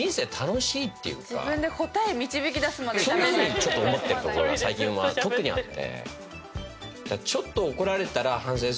ちょっと思ってるところが最近は特にあって。